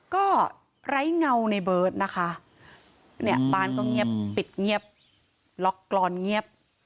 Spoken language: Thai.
ก็ไร้เงาในเบิร์ตนะคะเนี่ยบ้านก็เงียบปิดเงียบล็อกกรอนเงียบ